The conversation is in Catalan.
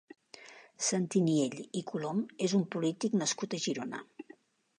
Santi Niell i Colom és un polític nascut a Girona.